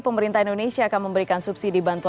pemerintah indonesia akan memberikan subsidi bantuan